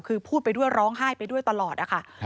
คือพูดไปด้วยร้องไห้ไปด้วยตลอดนะคะ